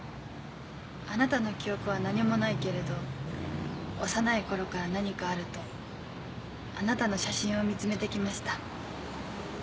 あなたの記憶は何もないけれど幼い頃から何かあるとあなたの写真を見つめて来ました。